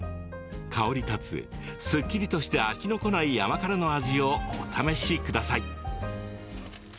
香り立つすっきりとして飽きのこない甘辛の味をお試しください。